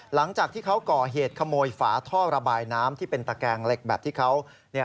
หลังจากที่เขาก่อเหตุขโมยฝาท่อระบายน้ำที่เป็นตะแกงเหล็กแบบที่เขา